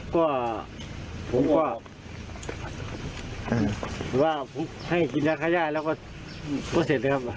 ก็ผมก็หรือว่าผมให้กินยาขยายแล้วก็เสร็จครับ